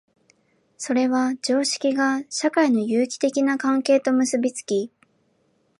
それは常識が社会の有機的な関係と結び付き、